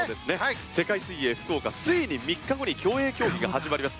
世界水泳福岡ついに３日後に競泳競技が始まります。